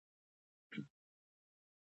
که نظم وي نو درس نه ګډوډیږي.